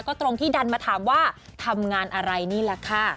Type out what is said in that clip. ก็ตรงที่ดันมาถามว่าทำงานอะไรนี่แหละค่ะ